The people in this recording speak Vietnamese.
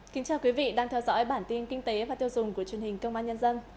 kính chào quý vị đang theo dõi bản tin kinh tế và tiêu dùng của truyền hình công an nhân dân